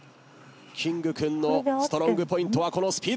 キングくんのストロングポイントはこのスピードにあります。